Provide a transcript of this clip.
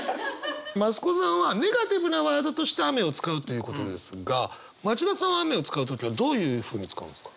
増子さんはネガティブなワードとして雨を使うということですが町田さんは雨を使う時はどういうふうに使うんですか？